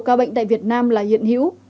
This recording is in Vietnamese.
ca bệnh tại việt nam là hiện hữu